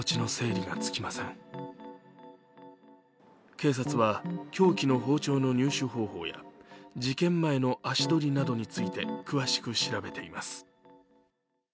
警察は凶器の包丁の入手方法や、事件前の足取りなどについて詳しく調べています。